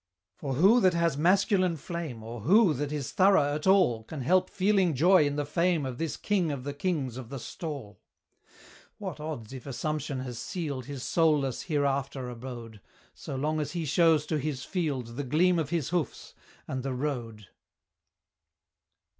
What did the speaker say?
For who that has masculine flame, Or who that is thorough at all, Can help feeling joy in the fame Of this king of the kings of the stall? What odds if assumption has sealed His soulless hereafter abode, So long as he shows to his "field" The gleam of his hoofs, and the road?